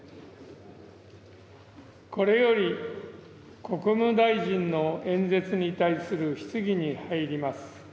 これより国務大臣の演説に対する質疑に入ります。